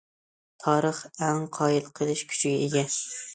تارىخ ئەڭ قايىل قىلىش كۈچىگە ئىگە.